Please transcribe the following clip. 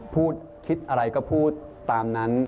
พูดคิดอะไรก็พูดตามนั้น